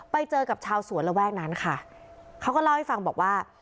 ไปเจอกับชาวสวนระแวกนั้นค่ะเขาก็เล่าให้ฟังบอกว่า